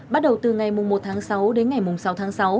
bắt đầu từ ngày một tháng sáu đến ngày sáu tháng sáu